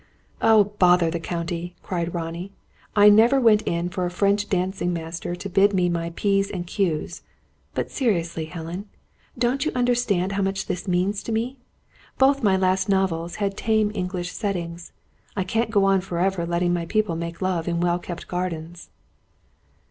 "Oh, bother the County!" cried Ronnie. "I never went in for a French dancing master to bid me mind my P's and Q's! But, seriously, Helen, don't you understand how much this means to me? Both my last novels have had tame English settings. I can't go on forever letting my people make love in well kept gardens!"